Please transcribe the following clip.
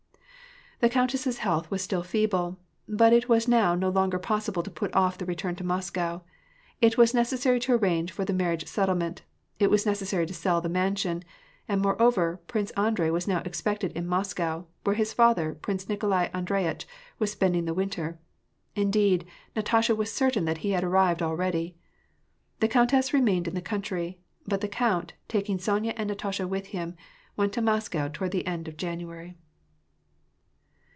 The countess's health was still feeble ; but it was now no longer possible to put off the return to Moscow. It was neces sary to arrange for the marriage settlement, it was necessary to sell the mansion; and, moreover. Prince Andrei was now expected in Moscow, where his father. Prince Nikolai Andre yitch, was spending the winter : indeed, Natasha was certain that he had already arrived. The countess remained in the country ; but the count, taking Sonya and Natasha with him, went to Moscow toward the end of January.